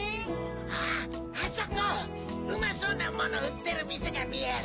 ああそこうまそうなもの売ってる店が見える。